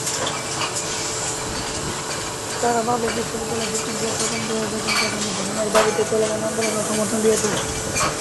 তাঁরা পাবলিক বিশ্ববিদ্যালয়ের শিক্ষকদের স্বতন্ত্র বেতনকাঠামো ঘোষণার দাবিতে চলমান আন্দোলনেও সমর্থন দিয়েছেন।